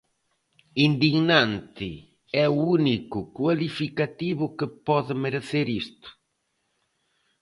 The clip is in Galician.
Indignante é o único cualificativo que pode merecer isto.